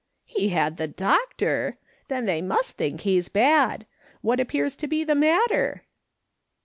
" He had the doctor ! Then they must think he's bad. What appears to be the matter?"